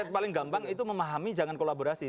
tapi paling gampang itu memahami jangan kolaborasi